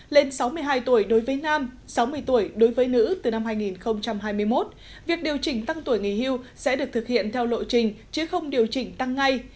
lên sáu mươi hai tuổi đối với nam sáu mươi tuổi đối với nữ từ năm hai nghìn hai mươi một việc điều chỉnh tăng tuổi nghỉ hưu sẽ được thực hiện theo lộ trình chứ không điều chỉnh tăng ngay